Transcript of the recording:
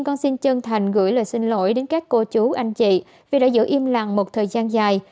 con xin chân thành gửi lời xin lỗi đến các cô chú anh chị vì đã giữ im lặng một thời gian dài